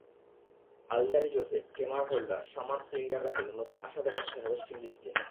Alzarri Joseph, Kemar Holder, Shamar স্প্রিঙ্গাররা যেন নতুন আশা দেখাচ্ছেন ওয়েস্ট ইন্ডিজকে।